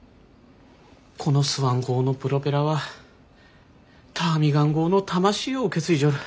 このスワン号のプロペラはターミガン号の魂を受け継いじょる。